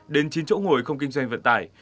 đến chín chỗ ngồi không kinh doanh vận tải